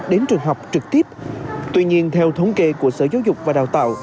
đến trường học trực tiếp tuy nhiên theo thống kê của sở giáo dục và đào tạo